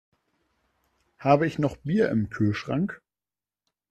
Habe ich noch Bier im Kühlschrank?